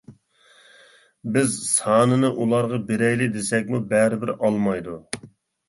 بىز ساننى ئۇلارغا بېرەيلى دېسەكمۇ بەرىبىر ئالمايدۇ.